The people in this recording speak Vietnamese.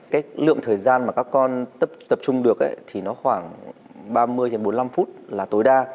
cái lượng thời gian mà các con tập trung được thì nó khoảng ba mươi bốn mươi năm phút là tối đa